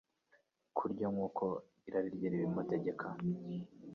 kurya nk’uko irari rye ribimutegeka.